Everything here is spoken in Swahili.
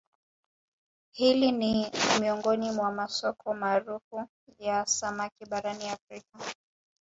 Hili ni miongoni mwa masoko maarufu ya samaki barani Afrika